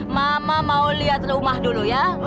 mama mau lihat rumah dulu ya